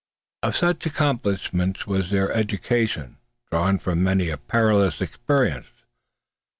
Of such accomplishments was their education, drawn from many a perilous experience.